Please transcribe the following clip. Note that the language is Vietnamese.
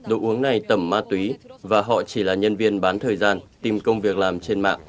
đồ uống này tẩm ma túy và họ chỉ là nhân viên bán thời gian tìm công việc làm trên mạng